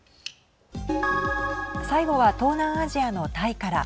最後は東南アジアのタイから。